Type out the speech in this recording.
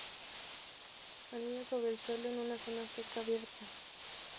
Anida sobre el suelo, en una zona seca abierta.